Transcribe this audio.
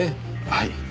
はい。